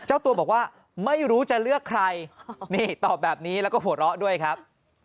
เจ้าตัวบอกว่าไม่รู้จะเลือกใครนี่ตอบแบบนี้แล้วก็หัวเราะด้วยครับ